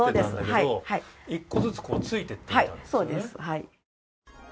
はい１個ずつこう突いていってみたんですね